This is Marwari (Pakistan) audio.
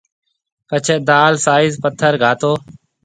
پڇيَ دال سائز پٿر گھاتو